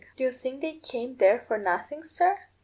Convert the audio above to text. Do you think they came there for nothing, sir?"